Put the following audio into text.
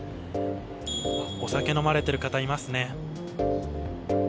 お酒飲まれている方いますね。